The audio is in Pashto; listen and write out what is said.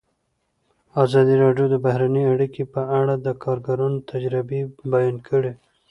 ازادي راډیو د بهرنۍ اړیکې په اړه د کارګرانو تجربې بیان کړي.